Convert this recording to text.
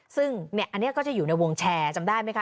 ซึ่งอันนี้ก็จะอยู่ในวงแชร์จำได้ไหมคะ